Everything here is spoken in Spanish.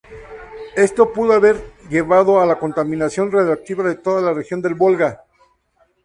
Esto pudo haber llevado a la contaminación radiactiva de toda la región del Volga.